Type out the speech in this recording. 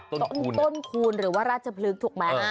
ต้นคูณหรือว่าราชพลึกถูกไหม